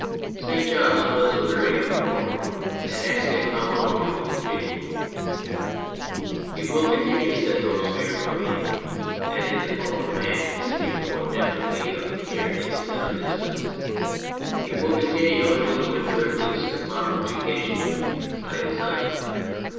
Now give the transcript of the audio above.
St. Just was weary of the war, and asked him how long it would continue. " It will continue," said Robespierre firmly, and in the tone of a man who can speak more definitely of near things than of distant, " it will continue until the winter at least, upon which occasion I design